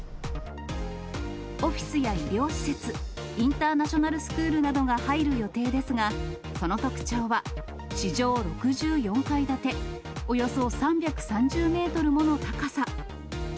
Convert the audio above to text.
オフィスや医療施設、インターナショナルスクールなどが入る予定ですが、その特徴は地上６４階建て、およそ３３０メートルもの高さ。